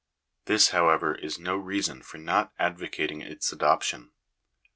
This, however, is no reason for not advocating its adoption.